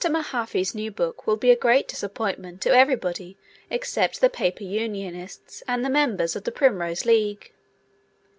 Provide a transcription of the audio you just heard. Mahaffy's new book will be a great disappointment to everybody except the Paper Unionists and the members of the Primrose League.